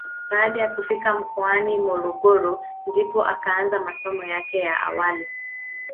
Baada ya kufika mkoani Morogoro ndipo akaanza masomo yake ya awali.